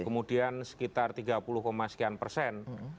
kemudian sekitar tiga puluh sekian persen